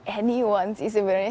anyone sih sebenarnya